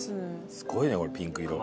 すごいねこれピンク色。